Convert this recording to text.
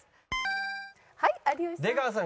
はい有吉さん。